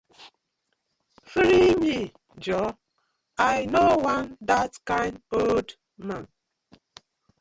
Free me joor, I no wan dat kind old man.